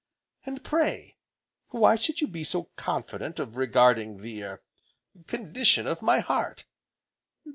"And pray, why should you be so confident of regarding the er condition of my heart?"